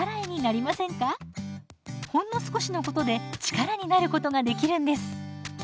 ほんの少しのことで力になることができるんです。